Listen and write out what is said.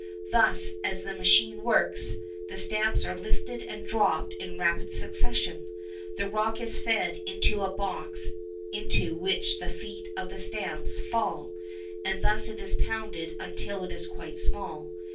Thus, as the machine works, the stamps are lifted and dropped in rapid succession. The rock is fed into a box into which the feet of the stamps fall, and thus it is pounded until it is quite small.